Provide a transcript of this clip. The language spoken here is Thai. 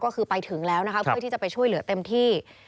ก็คือไปถึงแล้วนะคะเพื่อที่จะไปช่วยเหลือเต็มที่